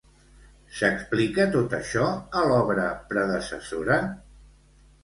S'explica tot això a l'obra predecessora?